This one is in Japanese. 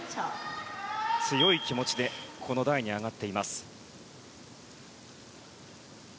強い気持ちでこの台に上がっています。